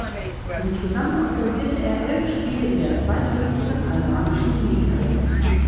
Insgesamt absolvierte er elf Spiele in der zweithöchsten albanischen Liga.